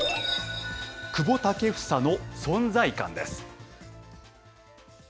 久保建英の存在感です。